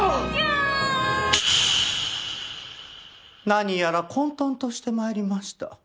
何やら混沌として参りました。